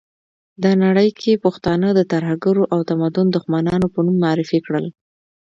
ده نړۍ کې پښتانه د ترهګرو او تمدن دښمنانو په نوم معرفي کړل.